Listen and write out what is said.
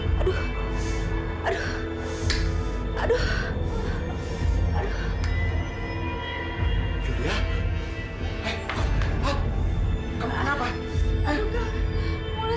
sampai jumpa di video selanjutnya